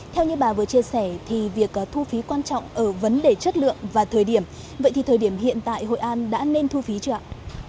theo như bà vừa chia sẻ thì việc thu phí quan trọng ở vấn đề chất lượng và thời điểm vậy thì thời điểm hiện tại hội an đã nên thu phí chưa ạ